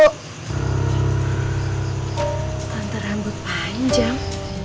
tante rambut panjang